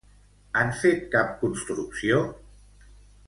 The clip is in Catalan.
Han fet cap construcció?